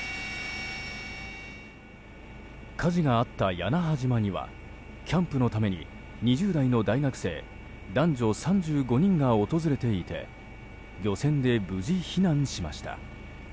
火事があった屋那覇島にはキャンプのために２０代の大学生男女３５人が訪れていて漁船で無事、避難しました。